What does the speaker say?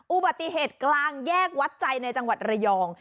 อุบัติเหตุกลางแยกวัดใจในจังหวัดระยอง